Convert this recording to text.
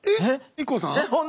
ＩＫＫＯさん？